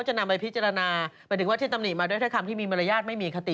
จะนำไปพิจารณาหมายถึงว่าที่ตำหนิมาด้วยถ้าคำที่มีมารยาทไม่มีคติ